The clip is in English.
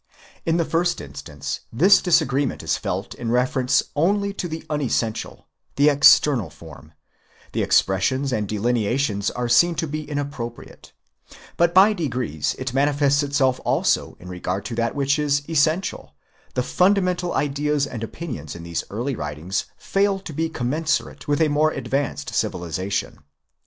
In the first instance this disagreement is felt in reference only to the unessential—the external form: the expressions and delineations are seen to be inappropriate; but by degrees it manifests itself also in regard to that which is essential; the fundamental ideas and opinions in these early writings fail to be commensurate with a more advanced civilisation.